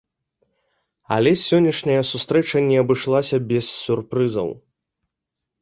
Але сённяшняя сустрэча не абышлася без сюрпрызаў.